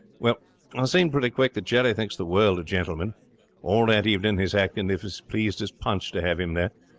'Well, I seen pretty quick that Jerry thinks the world of Gentleman. All that evening he's acting as if he's as pleased as Punch to have him there.